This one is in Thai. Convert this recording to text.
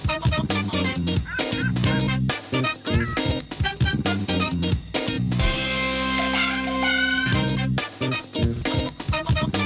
โอ้โฮ